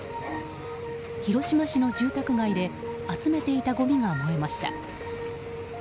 広島市の住宅街で集めていたごみが燃えました。